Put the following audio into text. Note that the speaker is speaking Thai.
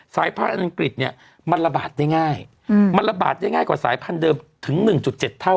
สายพันธุ์อังกฤษยังไปได้ง่ายกว่าสายพันธุ์เดิมถึง๑๗เท่า